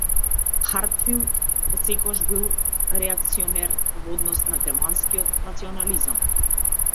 Хартфилд отсекогаш бил реакционер во однос на германскиот национализам.